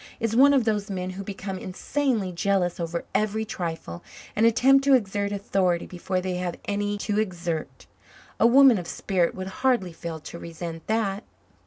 is one of those men who become insanely jealous over every trifle and attempt to exert authority before they have any to exert. A woman of spirit would hardly fail to resent that."